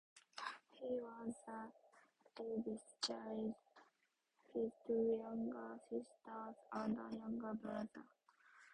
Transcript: He was the eldest child, with two younger sisters and a younger brother.